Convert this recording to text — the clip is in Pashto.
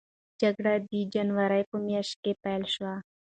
جګړه د جنورۍ په میاشت کې پیل شوه.